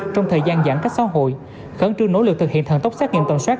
trong thời gian giãn cách xã hội khẩn trương nỗ lực thực hiện thần tốc xác nghiệm toàn soát